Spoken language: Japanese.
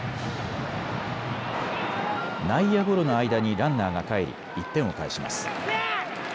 内野ゴロの間にランナーがかえり１点を返します。